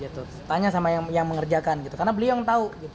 gitu tanya sama yang mengerjakan gitu karena beliau yang tau gitu